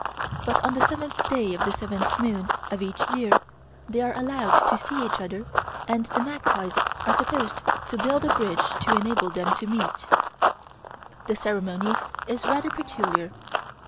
But on the seventh day of the seventh moon of each year they are allowed to see each other and the magpies are supposed to build a bridge to enable them to meet. The ceremony is rather peculiar.